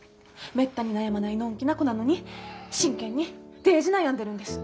めったに悩まないのんきな子なのに真剣にデージ悩んでるんです。